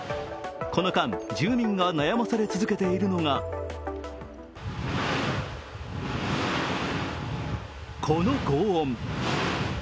この間、住民が悩まされ続けているのがこのごう音。